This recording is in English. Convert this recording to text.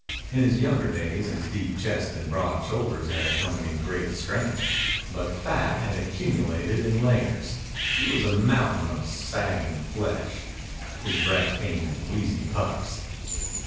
In his younger days his deep chest and broad shoulders had accompanied great strength. But fat had accumulated in layers. He was a mountain of sagging flesh. His breath came in wheezy puffs.